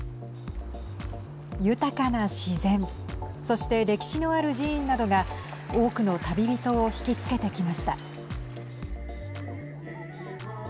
豊かな自然そして、歴史のある寺院などが多くの旅人をひきつけてきました。